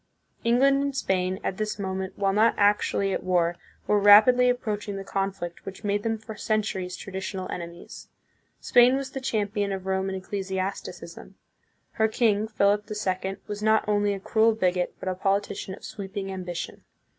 England and Spain, at this moment, while not actually at war, were rapidly approaching the conflict which made them for centuries traditional enemies. Spain was the champion of Roman ecclesiasticism. Her king, Philip the Second, was not only a cruel bigot, but a politician of sweeping ambition.